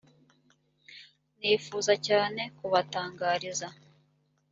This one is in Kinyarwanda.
nifuza cyane kubatangariza